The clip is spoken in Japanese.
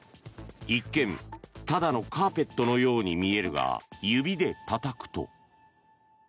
一見、ただのカーペットのように見えるが指でたたくと。